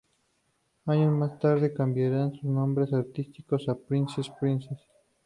Años más tarde cambiarían su nombre artístico a "Princess Princess".